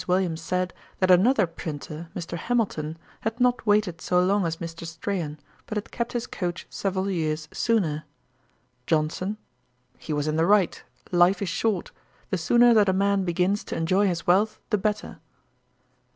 Williams said, that another printer, Mr. Hamilton, had not waited so long as Mr. Strahan, but had kept his coach several years sooner. JOHNSON. 'He was in the right. Life is short. The sooner that a man begins to enjoy his wealth the better.'